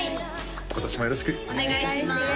今年もよろしくお願いします